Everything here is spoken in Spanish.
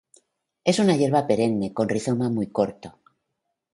Es un hierba perenne con rizoma muy corto.